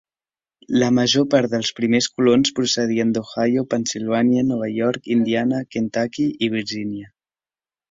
La major part dels primers colons procedien d'Ohio, Pennsilvània, Nova York, Indiana, Kentucky i Virgínia.